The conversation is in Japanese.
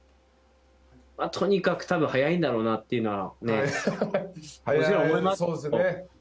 とにかく多分速いんだろうなというのがもちろん思いますけど。